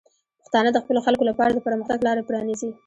پښتانه د خپلو خلکو لپاره د پرمختګ لاره پرانیزي.